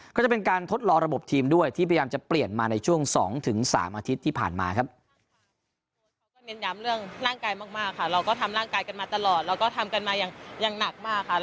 ก็จะเป็นการทดลองระบบทีมด้วยที่พยายามจะเปลี่ยนมาในช่วง๒๓อาทิตย์ที่ผ่านมาครับ